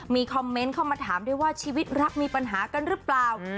มีคอมเมนต์เข้ามาถามด้วยว่าชีวิตรักมีปัญหากันหรือเปล่า